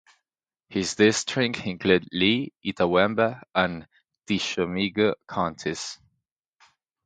His district included Lee, Itawamba and Tishomingo Counties.